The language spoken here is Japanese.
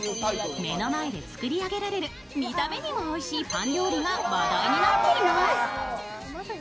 目の前で作り上げられる見た目にもおいしいパン料理が話題になっています。